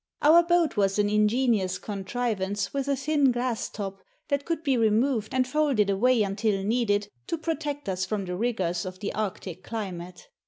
Our boat was an ingenious contrivance with a thin glass top that could be removed and folded away until needed to protect us from the rigors of the Arctic climate.